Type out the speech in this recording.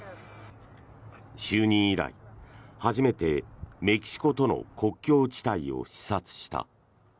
就任以来初めてメキシコとの国境地帯を視察した。